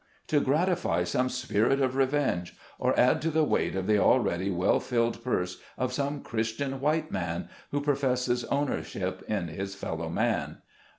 To gratify some spirit of revenge, or add to the weight of the already well filled purse of some Christian white man, who professes ownership in his fellow man.